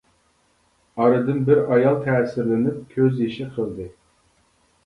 ئارىدىن بىر ئايال تەسىرلىنىپ كۆز يېشى قىلدى.